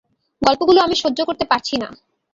গল্পগুলো আমি সহ্য করতে পারছি না।